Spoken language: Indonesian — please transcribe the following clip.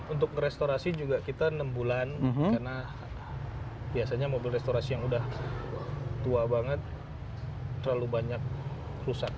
untuk nge restorasi juga kita enam bulan karena biasanya mobil restorasi yang udah tua banget terlalu banyak rusak